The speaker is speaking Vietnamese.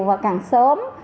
và càng sớm